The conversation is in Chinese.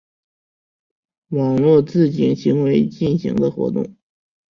网络自警行为进行的活动。